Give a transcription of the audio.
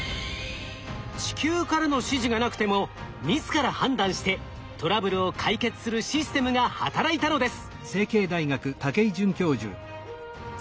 地球からの指示がなくても自ら判断してトラブルを解決するシステムが働いたのです。